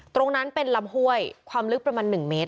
ตรงนั้นเป็นลำห้วยความลึกประมาณ๑เมตร